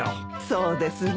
そうですねえ。